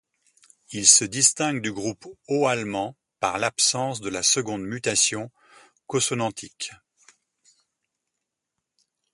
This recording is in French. Il se distingue du groupe haut allemand par l'absence de la seconde mutation consonantique.